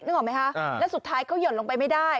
ออกไหมคะแล้วสุดท้ายเขาหย่อนลงไปไม่ได้